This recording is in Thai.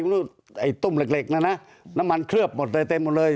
รูปไอ้ตุ้มเหล็กนะนะน้ำมันเคลือบหมดเลยเต็มหมดเลย